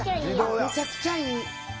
めちゃくちゃいい！